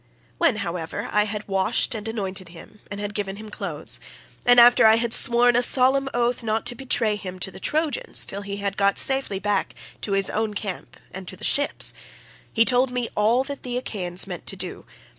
When, however, I had washed and anointed him and had given him clothes, and after I had sworn a solemn oath not to betray him to the Trojans till he had got safely back to his own camp and to the ships, he told me all that the Achaeans meant to do.